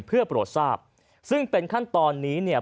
เพื่อโปรดทราบซึ่งเป็นขั้นตอนนี้เนี่ย